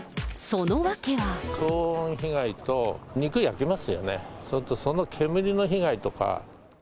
騒音被害と、肉焼きますよね、その煙の被害とか。